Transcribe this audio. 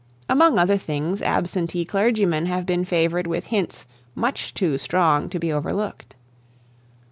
Among other things, absentee clergymen have been favoured with hints much too strong to be overlooked.